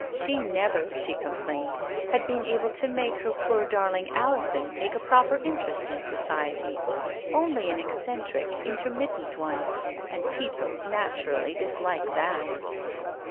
She never, she complained, had been able to make her poor darling Alison take a proper interest in society ; only an eccentric, intermittent one. And people naturally disliked that.